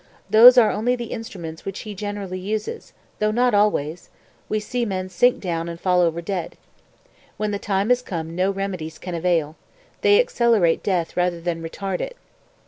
Those are only the instruments which He generally uses, though not always; we see men sink down and fall over dead. When the time is come no remedies can avail, they accelerate death rather than retard it....